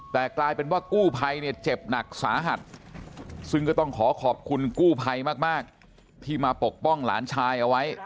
แต่กลายเป็นว่ากู้ภัยเนี่ยเจ็บหนักสาหัสซึ่งก็ต้องขอขอบคุณกู้ภัยมากที่มาปกป้องหลานชายเอาไว้